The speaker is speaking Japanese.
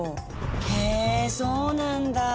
「へぇそうなんだ。